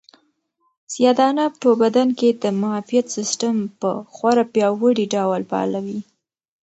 سیاه دانه په بدن کې د معافیت سیسټم په خورا پیاوړي ډول فعالوي.